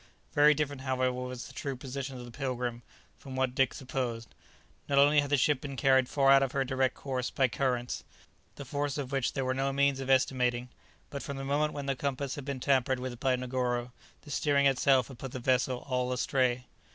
Very different, however, was the true position of the "Pilgrim" from what Dick supposed; not only had the ship been carried far out of her direct course by currents, the force of which there were no means of estimating, but from the moment when the compass had been tampered with by Negoro, the steering itself had put the vessel all astray.